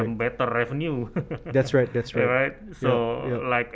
mendapatkan pendapatan yang lebih baik